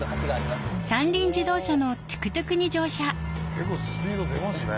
結構スピード出ますね。